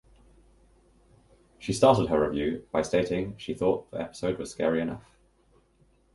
She started her review by stating she thought the episode was scary enough.